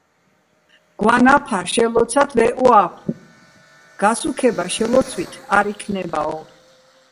გვანაფა შელოცათ ვეჸუაფუ გასუქება შელოცვით არ იქნებაო